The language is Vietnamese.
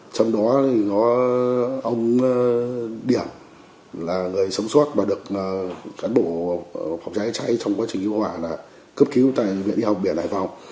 có ông điểm là người sống suốt và được cán bộ phòng cháy cháy trong quá trình yêu hòa là cướp cứu tại viện y học biển đại phòng